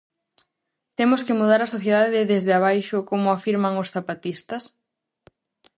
Temos que mudar a sociedade desde abaixo como afirman os zapatistas?